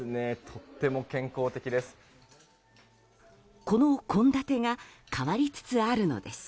とても健康的です。